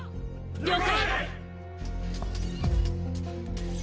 了解！！